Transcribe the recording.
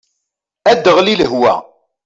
Ad aɣli lehwa.